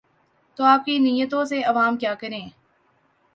تو آپ کی نیتوں سے عوام کیا کریں؟